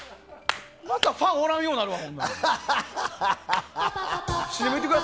またファンおらんようになるわ。